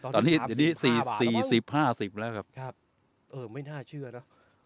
ตอนนี้๔๐๕๐แล้วครับไม่น่าเชื่อนะ